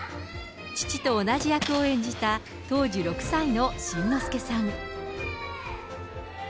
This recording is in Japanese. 父と同じ役を演じた当時６歳の新之助さん。